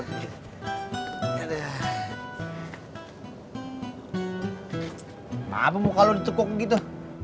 kenapa muka lo ditukuk gitu